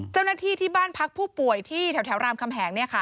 เจ้าหน้าที่ที่บ้านพักผู้ป่วยที่แถวรามคำแหง